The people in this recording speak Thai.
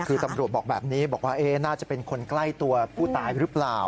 คือตำรวจบอกแบบนี้บอกว่าน่าจะเป็นคนใกล้ตัวผู้ตายหรือเปล่า